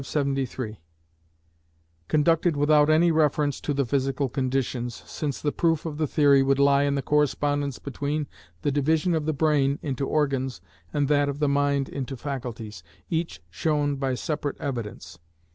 573), conducted without any reference to the physical conditions, since the proof of the theory would lie in the correspondence between the division of the brain into organs and that of the mind into faculties, each shown by separate evidence.